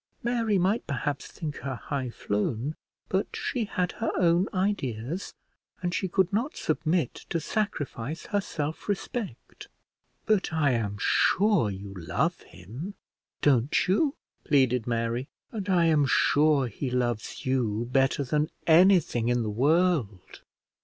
Mary might, perhaps, think her high flown, but she had her own ideas, and she could not submit to sacrifice her self respect. "But I am sure you love him; don't you?" pleaded Mary; "and I am sure he loves you better than anything in the world."